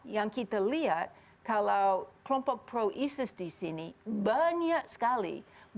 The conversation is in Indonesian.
yang kita lihat kalau kelompok pro isis di sini banyak sekali